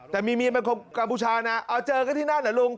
แต่มีเมียเป็นคนกัมพูชานะเอาเจอกันที่นั่นเหรอลุง